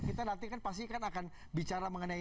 kita nanti kan pasti akan bicara mengenai